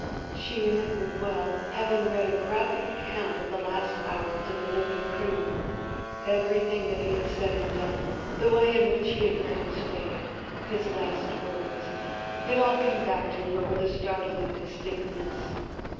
She remembered well having read a graphic account of the last hours of a noted criminal, everything that he had said and done, the way in which he had met his fate, his last words ... it all came back to her with startling distinctness.